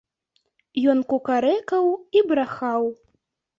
Ён кукарэкаў і брахаў.